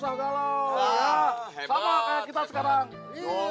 sama kayak kita sekarang